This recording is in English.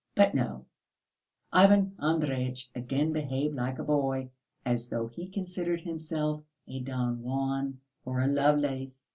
But no, Ivan Andreyitch again behaved like a boy, as though he considered himself a Don Juan or a Lovelace!